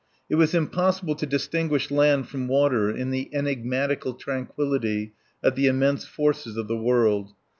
It was impossible to distinguish land from water in the enigmatical tranquillity of the immense forces of the world.